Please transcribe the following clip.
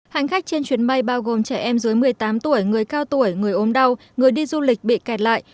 hành khách trên chuyến bay bao gồm trẻ em dưới một mươi tám tuổi người cao tuổi người ốm đau người đi du lịch bị kẹt lại